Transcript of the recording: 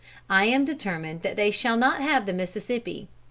I am determined that they shall not have the Mississippi.